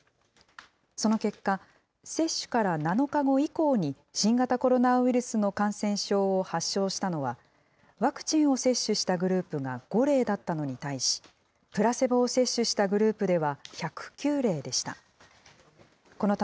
その結果、接種から７日後以降に新型コロナウイルスの感染症を発症したのは、ワクチンを接種したグループが５例だったのに対し、プラセボを接種したグループでは１０９例でした。